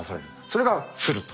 それが降ると。